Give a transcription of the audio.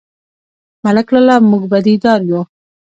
_ملک لالا، موږ بدي دار يو؟